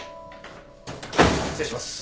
・・失礼します。